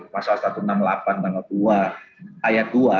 pasal satu ratus enam puluh delapan tanggal dua ayat dua